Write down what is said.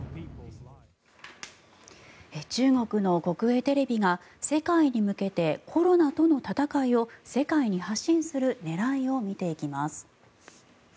中国の国営テレビが世界に向けてコロナとの闘いを世界に発信する狙いを見ていきます。